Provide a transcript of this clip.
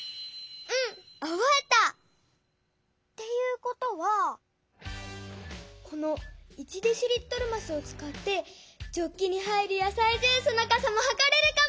うんおぼえた！っていうことはこの１デシリットルますをつかってジョッキに入るやさいジュースのかさもはかれるかも！